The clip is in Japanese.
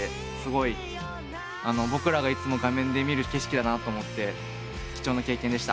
僕らがいつも画面で見る景色だなと思って貴重な経験でした。